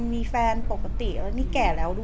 มีแฟนปกติแล้วนี่แก่แล้วด้วย